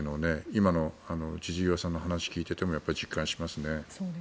今の千々岩さんの話を聞いていても実感しますね。